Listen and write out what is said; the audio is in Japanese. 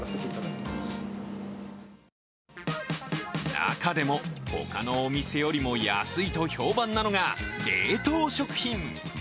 中でも他のお店よりも安いと評判なのが冷凍食品。